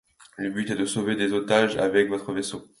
Le but est de sauver des otages avec votre vaisseau.